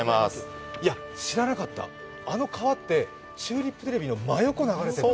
知らなかった、あの川ってチューリップテレビの真横を流れてる。